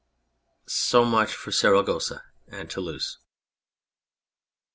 " So much for Saragossa and Toulouse.